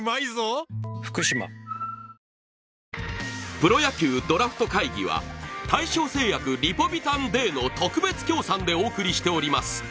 「プロ野球ドラフト会議」は大正製薬リポビタンＤの特別協賛でお送りしています。